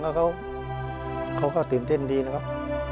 แล้วเขาก็ตื่นเต้นดีนะครับ